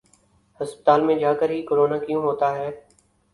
ہسپتال میں جاکر ہی کرونا کیوں ہوتا ہے ۔